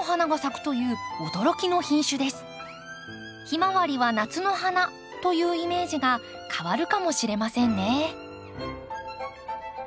ヒマワリは夏の花というイメージが変わるかもしれませんね。